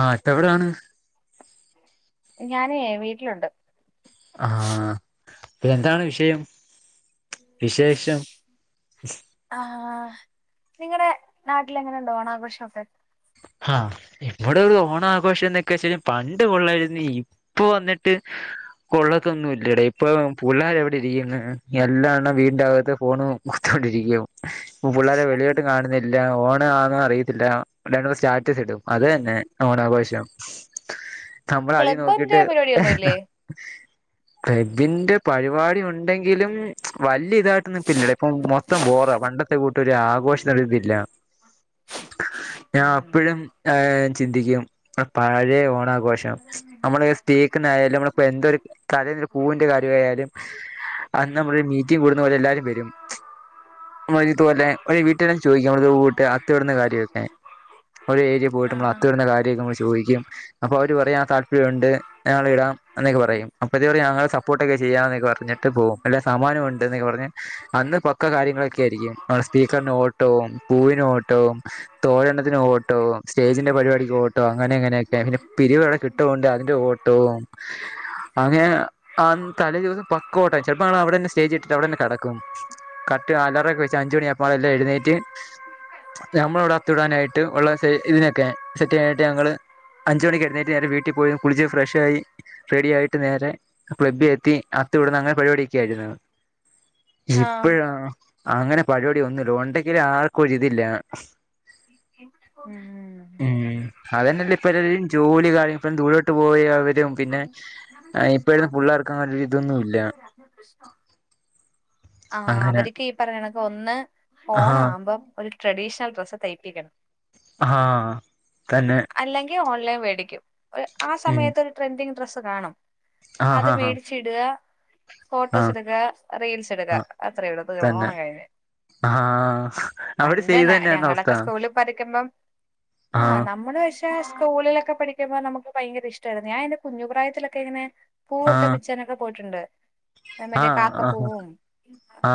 ആഹ് ഇത്ത എവിടെയാണ്? ഞാനെ വീട്ടിലുണ്ട്. ആഹ് ഇപ്പ എന്താണ് വിഷയം? വിശേഷം- ആഹ്- നിങ്ങളടെ നാട്ടില് എങ്ങനൊണ്ട് ഓണാഘോഷക്കെ? ആഹ് ഇവിടെ ഒരു ഓണാഘോഷം എന്നൊക്കെ വച്ചാൽ പണ്ട് കൊള്ളാരുന്നു ഇപ്പൊ വന്നിട്ട് കൊള്ളത്തൊന്നുമില്ലടെ ഇപ്പോ പുള്ളാര് എവിടെ ഇരിക്കുന്നു എല്ലാം എണ്ണം വീണ്ടകത്ത് ഫോണ് കുത്തോണ്ടിരിക്കും- ഇപ്പ പുള്ളരെ വെളിയോട്ട് കാണുന്നില്ല ഓ ണം ആണ് അറിയത്തില്ല സ്റ്റാറ്റസ് ഇടും അത് തന്നെ ഓണാഘോഷം നമ്മള് അതി ക്ലബ്ബിന്റെ നോക്കിട്ട് പരിപാടിയൊന്നുല്ലേ ക്ലബിന്റെ പരിപാടി ഉണ്ടെങ്കിലും വല്ല്യ ഇതായിട്ടൊന്നു ഒന്നുംഇല്ലടെ ഇപ്പൊ മൊത്തം ബോറ പണ്ടത്തെ കൂട്ട് ഒരു ആഘോഷം ഇത് ഇല്ല ഞാൻ അപ്പോഴും ആ ചിന്തിക്കും പഴയ ഓണ ഘോഷം നമ്മള് [unintelligible] നമ്മ എന്തൊരു കരയിൽ പൂവിന്റെ കാര്യമായാലും അന്ന് നമ്മള് മീറ്റിംങ് കൂടുന്ന പോലെ എല്ലാവാരും വരും നമ്മ ഇതുപോലെ ഒരു വീട്ടെല്ലാം ചോദിക്കും നമ്മൂട്ട് അത്ത ഇടുന്ന കാര്യമൊക്കെ ഒരു ഏരിയ പോയിട്ട് നമ്മള് ആഹ് അത്തമിടുന്ന കാര്യങ്ങളൊക്കെ ചോദി ചോദിക്കും അപ്പൊ അവര് പറയും ആഹ് താല്പര്യം ഉണ്ട് ഞങ്ങൾ ഇടാം എന്നൊക്കെ പറയും അപ്പോ പറയും ഞങ്ങളെ സപ്പോർട്ടൊക്കെ ചെയ്യാം എന്നൊക്കെ പറഞ്ഞിട്ട് പോകും പിന്നെ സമ്മാനം ഉണ്ട് എന്നൊക്കെ പറഞ്ഞ് അന്ന് പക്കാ കാര്യങ്ങളൊക്കെ ആയിരിക്കും സ്പീക്കറിന് ഓട്ടോവും പൂവിന് ഓട്ടവും തോരണ ത്തിനു ഓട്ടവും സ്റ്റേജിന്റെ പരിപാടിക്ക്ഓട്ടവും അങ്ങനെ അങ്ങനെയൊക്കെെ പിരിവ് ഒക്കെ കിട്ടുവോണ്ടേ അതിന്റെ ഒ ട്ടവും അങ്ങെനെ ആ തലേ ദിവസം പക്കോട്ടം ചെലപ്പോ ഞങ്ങൾ അവിടെ തന്നെ സ്റ്റേജ്കെട്ടി അവിടെ തന്നെ കിടക്കും കററ്റ് അലറൊക്കെ വെച്ച് അഞ്ച് മണി ആകുമ്പോ എല്ലാം എഴുന്നേറ്റ് നമ്മള് അവിടെ അത്തവിടാനായിട്ട് ഇട്ട് ഉള്ള ഇതിനൊക്കെ സെറ്റ് ചെയത്ട്ട് ഞങ്ങളൾ അഞ്ചുമണിക്ക് എഴുന്നേ് നേരെ വീട്ടിൽ പോയി കുളിച്ച് ഫ്രഷ് ആയി റെഡി ആയിട്ട് നേരെ ക്ലബ്ബില എത്തി അത്തമിടുന്ന അങ്ങനെ പരിപാടിയൊക്കെയാരുന്നു ആഹ് ഇപ്പഴാ അങ്ങനെ പരിപാടി ഒന്നുംല്ല ഉണ്ടെങ്കിലും ആർക്കും ഒരിത് ഇല്ല ഉം ഉം അതന്നല്ല ഇപ്പം എല്ലാരും ജോലി ആയി ഇപ്പ ദൂരോട്ട് പോയി അവരും [unintelligible] പിന്നെ ഇപ്പഴും പിള്ളേർക്ക് അങ്ങനെ ഒരു ഇതൊന്നും ഇല്ല ആഹ് അങ്ങനെ അവർക്ക് ഈ പറയ [unintelligible] ഒന്ന് ആഹ് ഓണവുമ്പോ ഒരു ട്രഡീഷണൽ ഡ്രസ് തയ്പ്പിക്കണം ആ അല്ലെങ്കിൽ ഓൺലൈൻ വേടി ക്യു ആ ഉം സമയത്ത് ഒരു ട്രെൻഡിങ് ഡ്രസ്സ് കാണും ആഹ് അത് ആഹ് ആഹ് മേടിച്ച ഇടുക ഫോട്ടോസ് ആഹ് എടുക്ക റീൽസ് എടുക്ക ആഹ് അത്രയുള്ളൂ തന്നെ ഓണം കഴിഞ്ഞു ആഹ് അവിടെ പണ്ട് ചെയ്ത് തന്നെയാണോ അവസ്ഥ ഞങ്ങളൊക്കെ സ്കൂളിൽ പഠിക്കുമ്പം ആ ആഹ് നമ്മ പക്ഷെ സ്കൂളിലൊക്കെ പഠിക്കുമ്പോ നമുക്ക് ഭയങ്കര ഇഷ്ടമായിരുന്നു ഞാൻന്റെ കുഞ്ഞുപ്രായത്തിലൊക്കെ ഇങ്ങനെ പൂവൊക്കെ ആഹ് പിച്ചാനൊക്കെ പോയിട്ടുണ്ട് മറ്റേ കാക്കപ്പൂവും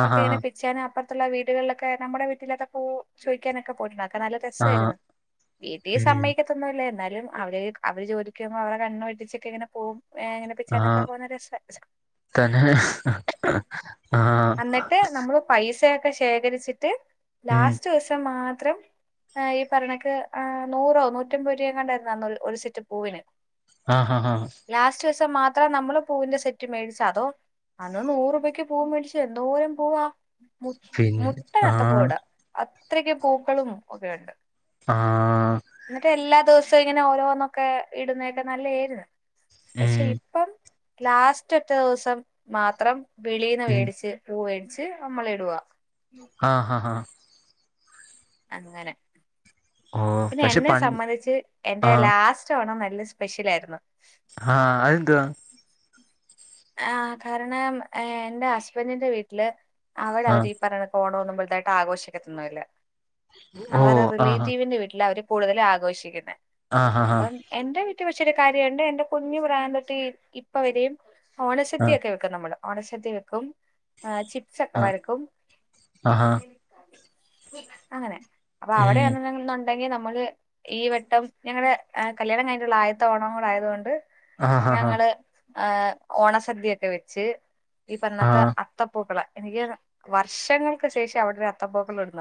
ഒക്കെ ഇങ്ങനെ പിച്ചന് അപ്പറ അടുത്തുള്ള വീടുകളിലൊക്കെ നമ്മുടെ വീട്ടിലക്ക പൂ ചോദിക്കാനൊക്കെ പോയിട്ടുണ്ട നല്ല രസമായിരുന്നു വീപീസ് സമ്മയയിക്കത്തുന്നുല്ലായിരുന്നു എ അവര് അവര് ജോലിക്കു പോകുമ്പോ അവരെ കണ്ണ് വെട്ടിച്ചൊക്കെ എങ്ങനെ പോകും ആഹ തന്നെ ആഹ ക്കെ ശേഖരിച്ചിട്ട് ലാസ്റ്റ് ദിവസം മാ ത്രം ഈ പറയണക്കെ ആ നൂറോ നൂറ്റമ്പത് രൂപഎങ്ങാണ്ടേ ആയിരുന്നു അന്ന് ഒരു സെറ്റ് പൂവിന് ആഹ് ഹഹ് ആഹ് ലാസ്റ്റ് ദിവസം മാത്രം നമ്മള് പൂവിന്റെ സെറ്റ് മേടിച്ച അതോ അന്ന് നൂറ രൂപയ്ക്ക് പൂവ മേടിച്ചു എന്തോ പൂവ പിന്നെ ആഹ ഇത്രൊക്കെ പൂക്കളും ഒക്കെയ ഉണ്ട് ആഹ എന്നിട്ട് എല്ലാ ദിവസവും ഇങ്ങനെ ഓരോന്നൊക്കെ ഇടുന്നക്കെ നല്ലതായിരുന്നു പക്ഷെ ഉം ഇപ്പം ലാസ്റ്റ് ഒറ്റ ദിവസം മാത്രം വെളീന്ന് ഉം വേടിച്ച് പൂവ ച് അമ്മള് ഇടുവാ ആഹ് ഹഹ ഹഹ അങ്ങനെ ഓ പിന്നെ പക്ഷെ പ എന്നെ സംബന്ധിച്ച് ആ എന്റെ ലാസ്റ്റ് ഓണം നല്ല സ്പെഷ്യലായിരുന്നു ആ അതെന്തുവാ ആ കാരണം എന്റെ ഹസ്ബൻറിന്റെ വീട്ടില് അവവിടെ ആ അവര് ീ പറഞ്ഞ കോണമന്നും തായിട്ട് ആഘോഷിക്കന്നില്ല ഓ അവർ ആഹാ റിലേറ്റീവിന്റെ വീട്ടിൽ അവര് കൂടുതൽ ആഘോഷിക്കുന്നത് ആഹാഹാ അപ്പം എന്റെറെ വട്ട ഒ വച്ചൊരു കാര്യണ്ട് എന്റെ കുഞ്ഞു പ്രാന് തിട്ട് ഇപ്പ വരെയും ആ ഓണശദ്ധി ഒക്കെ വെക്കാം നമ്മള് അടച്ചത്തിക്കും ആ ചിപ്സ്ക്കെ ആ വരക്കും ആഹാ അങ്ങനെ അപ്പൊ അവിടെ ഉം അങ്ങെല ഉണ്ടെങ്കിൽ നമ്മള് ഈ വെട്ടം ഞങ്ങളുടെ കല്യാണം കഴിഞ്ഞട്ടുള്ള ആയത്ത ഓണം കൂടെ ആയതുകൊണ്ട് ആഹ ആഹ് ആഹ ഞങ്ങള് ആഹ് ഓണസദ്യ ഒക്കെ വെച്ച് ഈ ആ പറണൊക്കെ അത്തപ്പൂക്കളെ എനിക്ക് വർഷങ്ങൾക്ക് ശേഷം അവിടെ അത്തപോക്കൾണ്ട്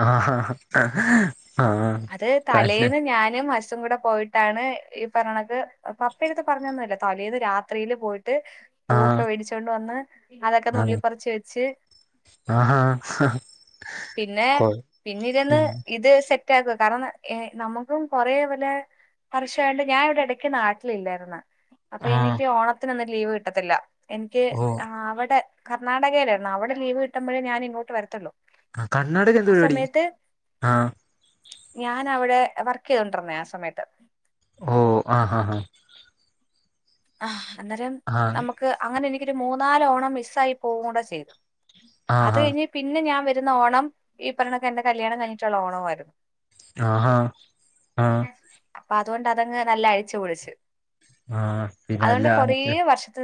ആഹ അത് ആഹ നെ തലേന്ന് ഞാനും ഹസും കൂടെ പോയിട്ടാണ് ഈ പറഞ്ഞണത് എടുത്ത് പറഞ്ഞൊന്നുമല്ല തലേന്ന് രാത്രിയിൽ പോയിട്ട് ട്ട് ആ പൂവൊക്കെ വേടിച്ചോണ്ട് വന്ന് അതകെ ആ നുള്ളി പറിച്ച് വെച്ച് ആഹാ പിന്നെ കൊ പിന്നീരുന്ന് ഉം ഇത് സെ തറ്റക്കുക കാരണം നമുക്കും കുറേപലെ പർശണ്ട് ഞാൻ ഇവിടെ ഇടയ്ക്ക് നാട്ടിലില്ലായിന്ന് അപ്പൊ ആ എനിക്ക് ഓണ ലീവ് കിട്ടത്തില്ല എനിക്ക് ഓ ആ അവിടെ കർണാടകയിലായിരുന്നു അവിടെ ലീവ്കിട്ടുമ്പഴേ ഞാൻ ഇങ്ങോട്ട് വരത്തല്ലു ആ കണ്ണാടക എന്ത് പരിപാടി ആഹ ഞാൻ അവിടെ വർക്ക് ചെയ്തൊണ്ടിരന്നേ ആ സമയത്ത് ഓ അ ഹ ഹ [unintelligible] അന്നേരം ആഹ് നമുക്ക് അങ്ങനെ എനിക്ക് ഒരു മൂന്നാലോണം മിസ്സായി പോകൂടെ ചെയ്ത് അത് ആഹ് കഴിഞ്ഞ് പിന്നെ ഞാൻ വെ [unintelligible] ഓണം ഈ പറഞ്ഞൊക്ക് എന്റെ കല്യാണം കഴിഞ്ഞിട്ടുള്ള ഓണമായിരുന്നു ആഹാ അ അപ്പൊ അതുകൊണ്ട് അതങ്ങ് നല്ല അഴിച്ചു പൊളിച്ചു ആഹ് പിന്നെ അല്ല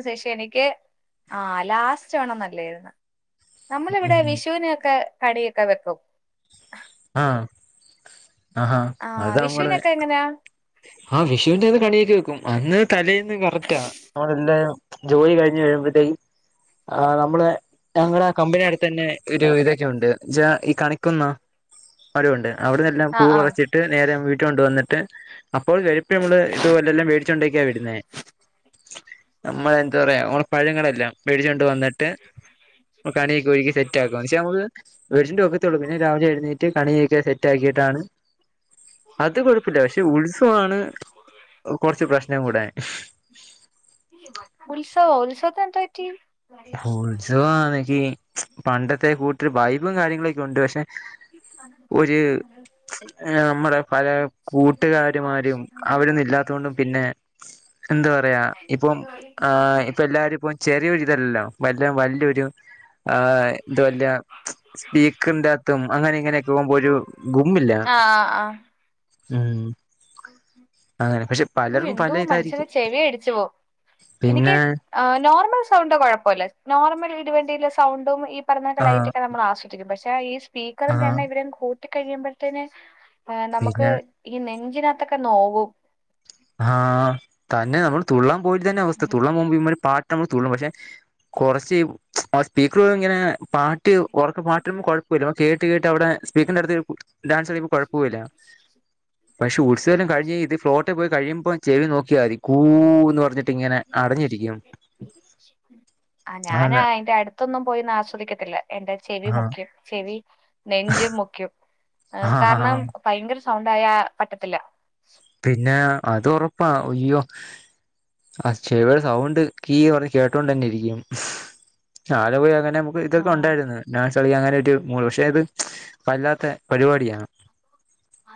ശേഷം എനിക്ക് ആഹ് ലാസ്റ്റ് ഓണം നല്ലായിന്ന് നമ്മളിവിടെ ഉം വിഷുവിനൊക്കെ കടിയൊക്കെ വെക്കും ആഹ് ആഹാ ആഹ് വിഷുവിനൊക്കെ എങ്ങനെയാ ആഹ് വിഷുവിന്റെ അന്ന് കണിയൊക്ക വെക്കും അന്ന് തലേന്ന് കറക്റ്റാ [unintelligible] എല്ലാ ജോലി കഴിഞ്ഞ് കഴിയുമ്പോത്തേക്ക് ആഹ് നമ്മള് ഞങ്ങളുടെ ആ കമ്പനി അടുത്ത് തന്നെ ഒരു ഇതൊക്കെ ഉണ്ട് ഈ കണിക്കൊന്ന മരവുണ്ട് അവിടന്നെല്ലാം പൂ ആഹ് ആഹ് പറിച്ചിട്ട് നേര വി [unintelligible] വന്നിട്ട് അപ്പോൾ [unintelligible] നമ്മള് ഇത് വെല്ലല്ലാം മേടിച്ചൊണ്ടക്കാണ് വരുന്നേ നമ്മള് എന്താ പറയാ പഴങ്ങളെല്ലാം വേടിചോണ്ട് വന്നിട്ട് കണിയൊക്കെ ഒരുക്കി സെറ്റ് ആക്കുന്ന് പഷെ നമ്മക്ക് വെടിച്ചിണ്ട് വെക്കത്തോളൂ പിന്നെ രാവിലെ എഴുന്നേറ്റ് കണിയൊക്കെ സെറ്റ് ആക്കിയിട്ടാണ് അത് കുഴപ്പില്ല പക്ഷെ ഉത്സ ആണ് കുറച്ച് പ്രശ്നം കൂടെ [unintelligible] [inaudible] ഉത്സവമാണെങ്കിൽ പണ്ടത്തെ കൂട്ടരു ബൈബിളും കാര്യങ്ങളൊക്കെ ഉണ്ട് പക്ഷെ ഒരു നമ്മുടെ പല കൂട്ടുകാരുമാരും അവിരുന്ന് ഇല്ലാത്തുകൊണ്ടും പിന്നെ എന്ത് പറയാ ഇപ്പം ആഹ് ഇപ്പൊ എല്ലാരും ഇപ്പം ചെറിയൊരു വല്ല വല്യൊരു ആഹ് ഇതുവല്ല സ്വീകറിൻ്റാത്തും അങ്ങനെ ഇങ്ങനെയക്കെ പോകുമ്പ ഒരു ഗുമ്മില്ല ഉം അങ്ങനെ പക്ഷെ [inaudible] ഓ പലർക്കും പല എന്തോ മനുഷ്യനെ ഇതായിരിക്കും ചെവിയടിച്ചു പോവും എനിക്ക് പിന്നെ ആ നോർമൽ സൗണ്ട് കൊഴ പ്പല്ല നോർമൽ ഇടി വണ്ടിയിലെ സൗണ്ടും ഇ പ്പറഞൊക്കെ ആഹ് ലൈറ്റൊക്കെ നമ്മൾ ആസ്വ ദിക്കും പക്ഷേ ഈ സ് പീക്കറിന്റെ ആഹ് എണ്ണം ഇവരങ്ങ് കൂ ട്ടി കഴിയുമ്പഴ്ത്തേനെ നമുക്ക് പിന്നെ ഈ നെഞ്ച് ഇതിനകത്തൊക്കെ നോവും ആ തന്നെ നമ്മൾ തുള്ളാം പോയിട്ട് തന്നെ അവസ്ഥ തുള്ളാൻ പോവുമ്പ ഇമ്മാരി പാ നമ്മള് തുള്ളു പക്ഷെ കൊറച്ച് സ്പീക്കറ് ഇങ്ങനെ പാ ട്ടു ഒറക്കെ പാട്ടും കൊഴപ്പില്ല കേട്ട് കേട്ട് അവടെ സ്പീക്കറിന്റ അടുത്ത് ഡാൻസ് കഴിയുമ്പോ കൊഴപ്പൂല്ല പക്ഷെ ഉത്സവെല്ലാം കഴിഞ്ഞ് ഇത് ഫ്ലോ കഴിയുമ്പോ ചെവി നോക്കിയാൽ മതി കൂന്ന് പറഞ്ഞിട്ട് ഇങ്ങനെ അടഞ്ഞിരിക്കും ആണ് ഇല്ല എന്റെ ചെവി ആഹ് മുഖ്യം ചെവി നെഞ്ച് മുഖ്യം ആ ആഹ് കാരണം ഭയങ്കര ശ് സൗണ്ടായ പറ്റത്തില്ല പിന്നെ അത് ഉറപ്പാ അയ്യോ ആ ചെവിയുടെ സൗണ്ട് കീന്ന് കേട്ടോണ്ട് തന്നെ ഇരിക്കും [unintelligible] നമുക്ക് ആ. ഇതൊക്കെ ഉണ്ടായിരുന്നു നാസ്- കളി അങ്ങനോരു മൂള് പക്ഷേ അത് വല്ലാത്ത പരിപാടിയാണ് [inaudible]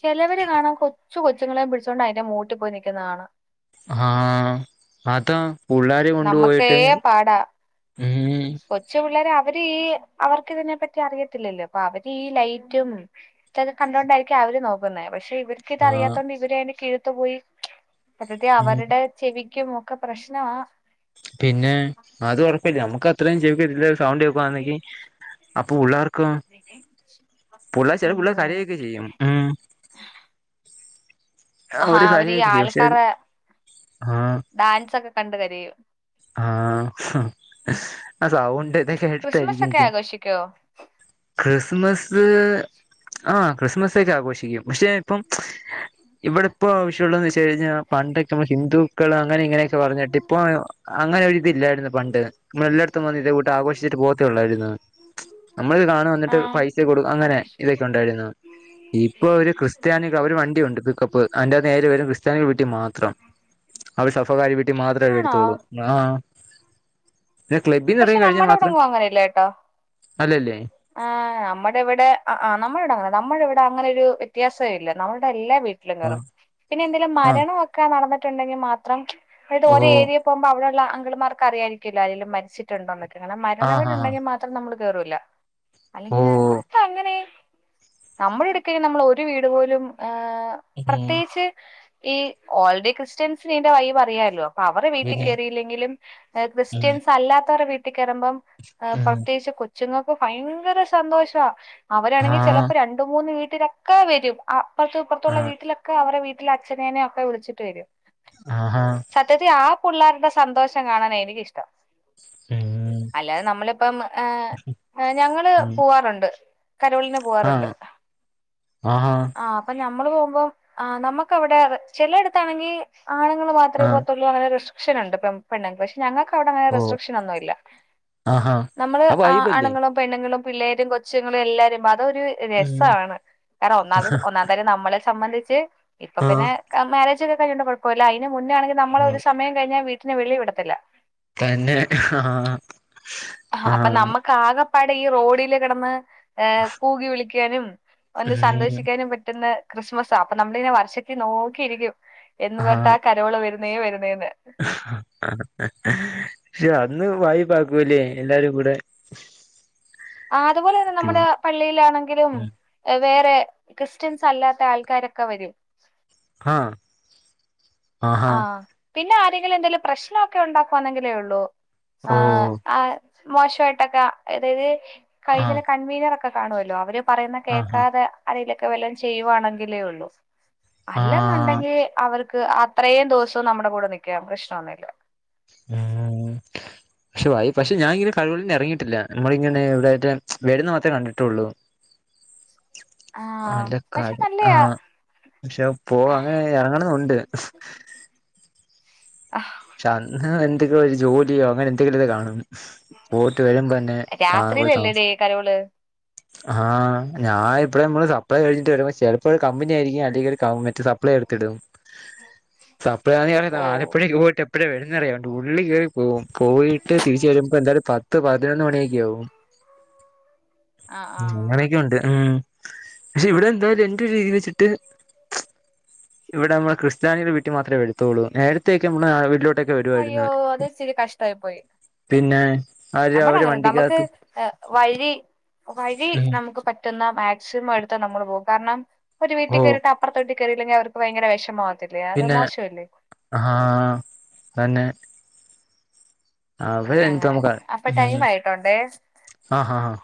ചിലവര് കാണാൻ കൊച്ചു കൊച്ചുങ്ങളേം പിടിച്ചുകൊണ്ട് അതിന്റെ മൂട്ടിൽ പോയി നിക്കുന്ന കാണാം ആഹ് അതാ പുള്ളാരെ നമ്മക്കേ കൊണ്ടുപോയിട്ട് പാടാ ഉം കൊച്ചു പിള്ളേരെ അ അവര് ഈ അവർക്ക് ഇതിനെപ്പറ്റി അറിയത്തില്ലല്ലോ അപ്പൊ അവര് ഈ ലൈറ്റും ഇതൊക്കെ കണ്ടൊണ്ടായിരിക്കും അവര് നോക്കുന്നെ പക്ഷേ ഇവർക്ക്‌ ആഹ് ഇതറിയാത്തോണ്ട് ഇവര് അതിന് കീഴ് ത്ത പോയി [unintelligible] ഉം അവരുടെ ചെവി ക്കെ മൊക്കെ പ്രശ്നമാ പിന്നെ അത് പറ പ്പല്ല്യ നമുക്ക്‌ അത്രയും [unintelligible] സൗണ്ട് കേക്കുവാണെങ്കി അപ്പൊ ഉള്ളാർ പിള്ളേർ കരയൊക്കെ ചെയ്യും ആ അ ഒരു കാര്യവുല്ല്യ പക്ഷേ ആ ഡാൻസ് ഒക്കെ കണ്ട് കരയും ആ ആ സൗണ്ട് ഇതൊക്കെ ക്രിസ്മസ് ഇഷ്ടായിരിക്കും ഒക്കെ മി ആഘോഷിക്കോ ക്രിസ്മസ് സ് ആ ക്രിസ്മസ് ഒക്കെ ആഘോഷിക്കും പക്ഷെ ഇപ്പം ഇവിടെ ഇപ്പോ ആവശ്യമുള്ള ന്ന് വെച്ച് കഴിഞ്ഞാ പണ്ടൊക്കെ നമ്മ ഹിന്ദുക്കള് അങ്ങനെ ഇങ്ങനെയൊക്കെ പറഞ്ഞിട്ട് ഇപ്പൊ അങ്ങനെ ഒരിതി ഇല്ലായിരുന്നു പണ്ട് നമ്മൾ എല്ലായിടത്തും വന്ന് ഇതേ കൂട്ട് ആഘോഷിച്ചിട്ട പോകത്തൊള്ളായിരുന്നു നമ്മളിത് കാണാൻ വന്നിട്ട് ആഹ് പൈസ കൊടു അങ്ങനെ ഇതൊക്കെ ഉണ്ടായിരുന്നു ഇപ്പൊ ഒരു ക്രിസ്ത്യാനി അവര് വണ്ടിയുണ്ട് പ്പ് അയ്ന്റെ നേരെ വരും ക്രിസ്ത്യാനികൾ വീട്ടി മാത്രം അവടെ സഫകാരി വീട്ടി മാത്രേ ആണോ വരുത്തുള്ളൂ ആ അ പക്ഷെ നമ്മുടെ ഇവിടെങ്ങും അങ്ങനെല്ലേ കേട്ടോ അല്ലല്ലേ ആ നമ്മുടെ ഇവിടെ നമ്മടെവിടെങ്ങനെ നമ്മൾ ഇവിടെ അങ്ങനെ ഒരു വ്യത്യാസ വേ ഇല്ല നമ്മുടെ എല്ലാ വീട്ടിലും ആ കേറും പിന്നെ എന്തേലും ആ മരണം ഒക്കെ നടന്നി ട്ടുണ്ടെങ്കിൽ മാത്രം അതായത് ഓ ഒരേരിയ പോകുമ്പോ അവിടെ ല്ല അങ്കിള്മാർക്ക് അറിയായിരിക്കല്ലോ ആരേല്ലും മരിച്ചി ട്ടുണ്ടോന്ന് [unintelligible] ആ മരണ ആ വീടുണ്ടെങ്കിൽ മാത്രം നമ്മള് കേറൂല്ല ഓ അല്ലെങ്കി [unintelligible] അതെത്താ അങ്ങനെ നമ്മൾ എടുക്ക നമ്മൾ ഒരു വീട് പോലും [unintelligible] ഉം പ്രത്യേകിച്ച് ഈ ഓൾഡി ക്രിസ്ത്യൻസിനീന്റെ വൈബ് അറിയാല്ലോ അ അവരെ വീട്ടിൽ പിന്നെ കേറിയില്ലെങ്കിലും ഉം ക്രിസ്ത്യൻസ് അല്ലാ ത്തവര്ടെ വീട്ടി കേറുമ്പം ഉം പ്രത്യേകിച്ച് കു ച്ചുങ്ങക്ക് ഭയങ്കര സന്തോഷ വാ ആ അവരാണെങ്കിൽ ചിലപ്പോ രണ്ട് മൂന്ന് വീ ട്ടിലൊക്കെ വരും ആ അപ്പൊർത്തും ആ ഇപ്പർത്തുള്ള വീട്ടിലൊക്കെ അവരെ വി ട്ടിൽ അച്ഛനെന്യോ ഒക്കെ വിളിച്ചിട്ട് വരും ആഹാ സത്യത്തി ആ പിള്ളേരുടെ സന്തോഷം കാണാനാ എനിക്കിഷ്ടം ഉം അല്ലാതെ നമ്മളിപ്പം ഏ ഞങ്ങള് ഉം പൂവാറുണ്ട് കരോളിന് ആ പോകാറുണ്ട് ആഹാ ആ അപ്പം ഞ നമ്മള് പോകുമ്പം ആ നമുക്ക അവിടെ ചെില ടുത്താണെങ്കി ആണുങ്ങ മാത്രെ ആ പോത്തുള്ളൂ അങ്ങ [unintelligible] [unintelligible] പക്ഷെ ഞങ്ങക്ക് ഓ ആഹാ ആ [unintelligible] വൈബല്ലേ ങ്ങളും പിള്ളേരും കൊച്ചുങ്ങളും എല്ലാരും അ ഒരു ഉം രസമാണ് കാരണം ഒന്നാമത് ഒന്നാം തരം നമ്മള് സംബന്ധിച്ച് ഇപ്പൊ ആ പിന്നെ [unintelligible] [unintelligible] കുഴപ്പെല്ല അയ്ന് മുന്നാണെങ്കി നമ്മളൊരു സമയം കഴിഞ്ഞാ വെ നെ വെളി വിടത്തില്ല തന്നെ ആ ആ പാടെ ഈ റോഡിൽ കിടന്ന് കൂകി വിളിക്കാനും ഒന്ന് ഉം സന്തോഷിക്കാനും പറ്റ്ന്ന ക്രിസ്മസ അപ്പ നമ്മളിങ്ങനെ വർഷത്തി നോക്കിയിരിക്കും എന്ന് തൊട്ടാ കരോള് വര് നീ വര് ആ പക്ഷെ അന്ന് വായ്പാക്കൂല്ലേ എല്ലാരും കൂടെ ആ അതുപോലെ തന്നെ നമ്മ്ടെ പള്ളിയിലാണെങ്കിലും വേറെ ക്രിസ്ത്യൻസ് അല്ലാത്ത ആൾക്കാരൊക്കെ വരും ആ അ ആ ആഹ് പിന്നെ ആരെങ്കിലും എന്തേങ്കിലും പ്രശ്നമൊക്കെ ഉണ്ടാക്കുന്നെങ്കിലേ ഉള്ളൂ ആ ഓ ആ മോശമായിട്ടൊക്കെ തായത് ആ കൈത കൺവീനറക്കെ കാണുവല്ലോ അവര് പറയുന്നെ ആഹാ കേക്കാതെ [unintelligible] ക്കെ വല്ലാം ചെയ്യുവാണെങ്കിലേ ഒള്ളൂ ആ അല്ലെന്നുണ്ടെങ്കി അവർ ക്ക് അ ത്രയും ദിവസും നമ്മുടെ കൂടെ നിൽക്കാം പ്രശ്നൊന്നുഇല്ല ഉം പക്ഷെ വായി പക്ഷെ ഞാന ഇങ്ങനെ കഴിവുകളന്നും ഇറങ്ങിയിട്ടില്ല നമ്മളിങ്ങനെ ഇവിടട്ട് വരുന്ന മാത്രേ കണ്ടിട്ടൊള്ളു ആഹ് പക്ഷെ അലക്കായ് ആ നല്ലയാ പക്ഷെ പോ അങ്ങനെ ഇറങ്ങണെന്നുണ്ട് ആഹ്, ക്ഷെ അന്ന് എന്തെങ്കിലോര് ജോലിയോ അങ്ങനെ എന്തെങ്കിലും ഇത് കാണും പോയിട്ട് വരുമ്പോ തന്നെ താ താമസ് രാത്രിയിലല്ലേടേ കരോള് ആ ഞാൻ ഇപ്പഴമ്മള് സപ്ലൈ കഴ്ഞ്ഞിട്ട് വരുമ്പോ ചെലപ്പോ ഒരു കമ്പനി ആയിരിക്കും അല്ലെങ്കിൽ മറ്റേ സപ്ലൈ എടുത്തിടും [unintelligible] ഓ ന്നാറിയണ്ട് ഉരുളി കേ പോവും പോയീട്ട് തിരിച്ച് വരുമ്പ എന്തായാലും പത്ത് പതിനൊന്ന് മണിയൊക്കെ ആവും ആഹ് ആഹ് അങ്ങനെയൊക്കെ ഉണ്ട് ഉം പക്ഷെ ഇവിടെ എന്തായാലും എന്റെ ഒര രീതി വെച്ചിട്ട് ഇവിടെ നമ്മള് ക്രിസ്ത്യാനിടെ വീട്ടിൽ മാത്രമേ വരൂ ത്തോളൂ നേരത്തേക്കെ വീട്ടില അയ്യോ അതെ സിരി കഷ്ട ആയിപ്പോയി പിന്നെ അവര് നമ്മുടെ അവര് അങ്ങനെ നമുക്ക് വണ്ടിക്കകത്ത് വഴി വഴി ഉം നമുക്ക് പറ്റുന്ന മാക്സിമം എടുത്താൽ നമ്മള് പോകും കാരണം ഒരു ഓ വീട്ടേക്ക് വട്ട് അപ്പുത്തോട്ട് കേറില്ലെങ്കി അവർക്ക് ഭയങ്കര വിഷമാവും പിന്നെ ആഹ തന്നെ ആഹ ഭയ അങ്ങനെ എന്തമക്ക അപ്പൊ ടൈം ആയിട്ടുണ്ടേ ആഹ ഹഹ ആഹ